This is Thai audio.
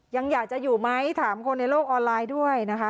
ยังอยากจะอยู่ไหมถามคนในโลกออนไลน์ด้วยนะคะ